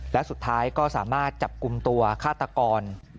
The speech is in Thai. และสุดท้ายก็สามารถจับกลุ่มตัวฆาตกร